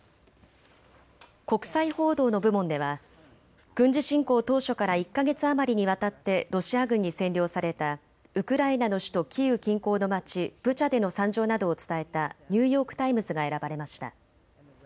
国際報道の部門では軍事侵攻当初から１か月余りにわたってロシア軍に占領されたウクライナの首都キーウ近郊の街ブチャでの惨状などを伝えたニューヨーク・タイムズが選ばれました。